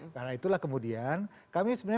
karena itulah kemudian kami sebenarnya